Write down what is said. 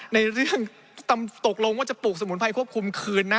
การปลูกสมุนไพรควบคุมคืน